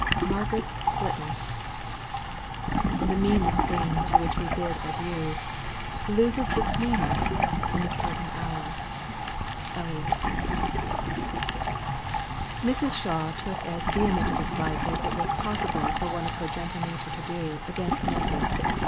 MARGARET'S FLITTIN'. "The meanest thing to which we bid adieu, Loses its meanness in the parting hour." ELLIOTT. Mrs. Shaw took as vehement a dislike as it was possible for one of her gentle nature to do, against Milton.